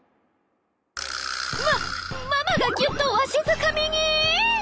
マママがギュッとわしづかみに！？